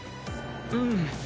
うん。